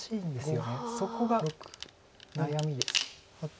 そこが悩みです。